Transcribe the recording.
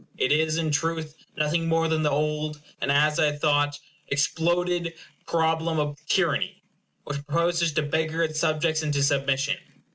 It is, in truth, nothing more than the old and, as I thought, exploded problem of tyranny, which proposes to beggar its subjects into submission.